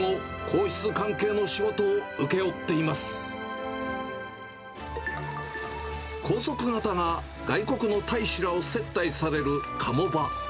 皇族方や外国の大使らを接待される鴨場。